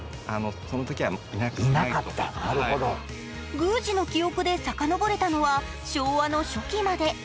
宮司の記憶でさかのぼれたのは昭和の初期まで。